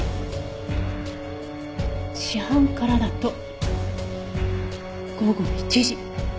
死斑からだと午後１時。